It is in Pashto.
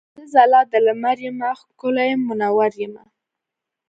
زه ځلا د لمر یمه ښکلی مونور یمه.